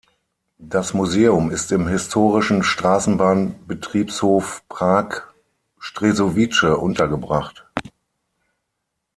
Das Museum ist im historischen Straßenbahnbetriebshof Prag-Střešovice untergebracht.